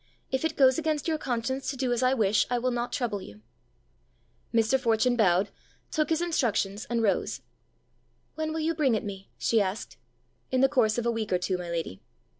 If it goes against your conscience to do as I wish, I will not trouble you." Mr. Fortune bowed, took his instructions, and rose. "When will you bring it me?" she asked. "In the course of a week or two, my lady."